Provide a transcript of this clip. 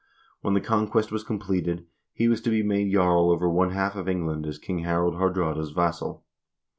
When the conquest was completed, he was to be made jarl over one half of England as King Harald Haardraade's vassal.